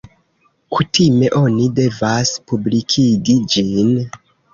Kutime oni devas publikigi ĝin.